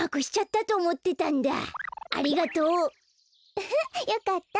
ウフッよかった。